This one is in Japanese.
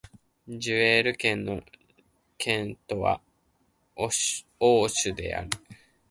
ジェール県の県都はオーシュである